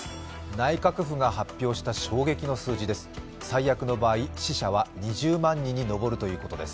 内閣府が発表した衝撃の数字です。